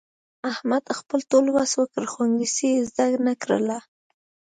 احمد خپل ټول وس وکړ، خو انګلیسي یې زده نه کړله.